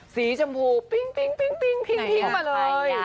สีชมพูปิ๊งมาเลย